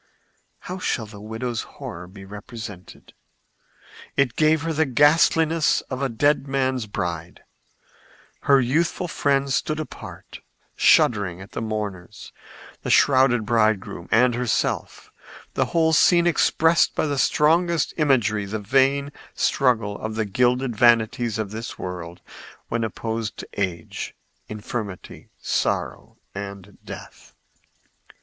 How shall the widow's horror be represented? It gave her the ghastliness of a dead man's bride. Her youthful friends stood apart, shuddering at the mourners, the shrouded bridegroom and herself; the whole scene expressed by the strongest imagery the vain struggle of the gilded vanities of this world when opposed to age, infirmity, sorrow and death.